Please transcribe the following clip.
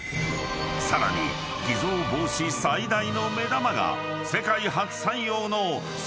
［さらに偽造防止最大の目玉が］